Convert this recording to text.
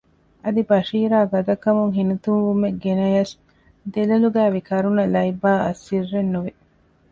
އަދި ބަޝީރާ ގަދަކަމުން ހިނިތުންވުމެއް ގެނަޔަސް ދެލޮލުގައިވި ކަރުނަ ލައިބާއަށް ސިއްރެއްނުވި